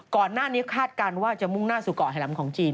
ก่อนหน้านี้คาดการณ์ว่าจะมุ่งหน้าสู่เกาะแหลมของจีน